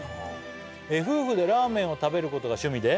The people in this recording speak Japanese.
「夫婦でラーメンを食べることが趣味で」